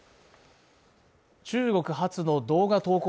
中国発の動画投稿